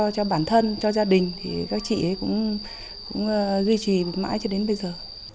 cho bản thân cho gia đình thì các chị ấy cũng duy trì mãi cho đến bây giờ